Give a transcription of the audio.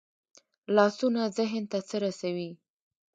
لاسونه ذهن ته څه رسوي